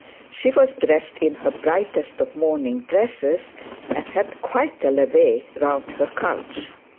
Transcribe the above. She was dressed in her brightest of morning dresses, and had quite a levee round her couch.